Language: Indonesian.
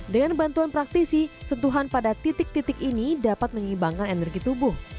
dengan bantuan praktisi sentuhan pada titik titik ini dapat mengimbangkan energi tubuh